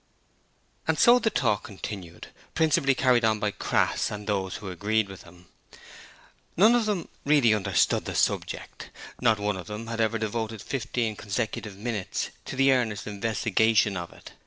And so the talk continued, principally carried on by Crass and those who agreed with him. None of them really understood the subject: not one of them had ever devoted fifteen consecutive minutes to the earnest investigation of it.